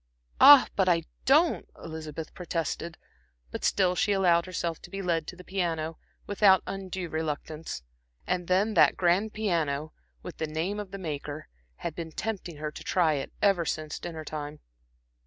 "Ah, but I don't," Elizabeth protested; but still she allowed herself to be led to the piano, without undue reluctance. And then that grand piano, with the name of the maker had been tempting her to try it ever since dinner time.